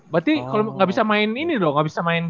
berarti kalau gak bisa main ini dong